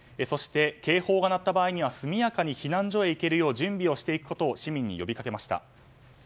そして、警報が鳴った場合には速やかに避難所へ行けるよう準備をしていくことを市民に呼びかけました。